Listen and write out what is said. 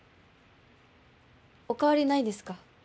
お変わりないですか？